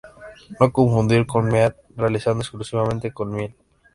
No confundir con "mead", realizado exclusivamente con miel.